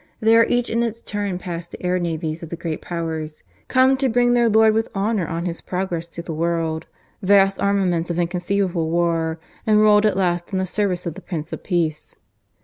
There each in its turn passed the air navies of the Great Powers, come to bring their Lord with honour on his progress through the world vast armaments of inconceivable war, enrolled at last in the service of the Prince of Peace.